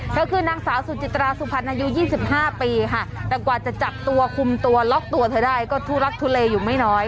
เธอคือนางสาวสุจิตราสุพรรณอายุ๒๕ปีค่ะแต่กว่าจะจับตัวคุมตัวล็อกตัวเธอได้ก็ทุลักทุเลอยู่ไม่น้อย